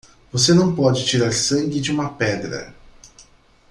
Você não pode tirar sangue de uma pedra.